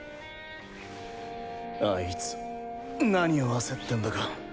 あいつ何を焦ってんだか。